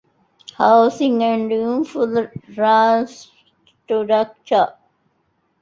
ހައުސިންގ އެންޑް އިންފްރާންސްޓްރަކްޗަރ